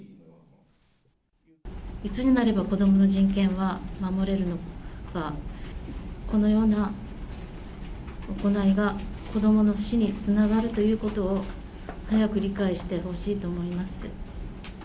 いつになれば子どもの人権は守れるのか、このような行いが、子どもの死につながるということを早く理解してほしいと思います。